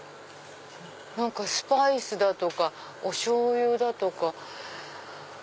何かスパイスだとかおしょうゆだとか。